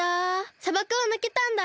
さばくをぬけたんだ。